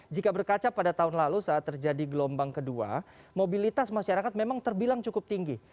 jika berkaca pada tahun lalu saat terjadi gelombang kedua mobilitas masyarakat memang terbilang cukup tinggi